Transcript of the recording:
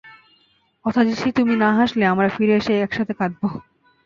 কথা দিচ্ছি, তুমি না হাসলে, আমরা ফিরে এসে একসাথে কাঁদব।